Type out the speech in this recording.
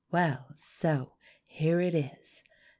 "Well, so here it is.